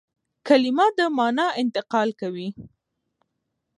کلیمه د مانا انتقال کوي.